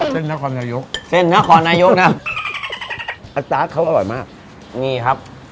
เส้นทาคอนายกเส้นทาคอนายกน่ะอัจจ๊าตเขาอร่อยมากนี่ครับ